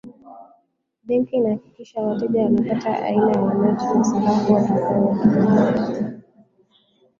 benki inahakikisha wateja wa wanapata aina ya noti na sarafu wanazotaka